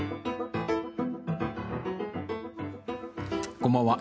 こんばんは。